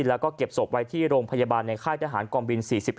แล้วก็เก็บศพไว้ที่โรงพยาบาลในค่ายทหารกองบิน๔๑